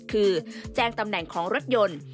คือแจ้งตำแหน่งของรถยนต์